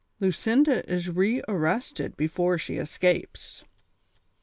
LUCINDA IS RE ARRESTED BEFORE SHE ESCAPES.